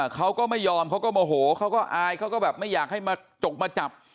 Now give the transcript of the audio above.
เขาก็ไม่ยอมเขาก็โมโหเขาก็อายเขาก็แบบไม่อยากให้มาจกมาจับ